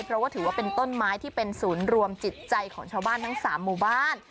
เพราะว่าถือว่าเป็นต้นไม้ที่เป็นศูนย์รวมจิตใจของชาวบ้านทั้ง๓หมู่บ้าน